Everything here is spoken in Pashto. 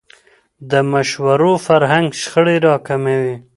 د مشورو فرهنګ شخړې راکموي